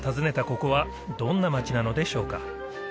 ここはどんな町なのでしょうか？